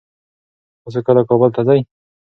تاسو کله کابل ته ځئ؟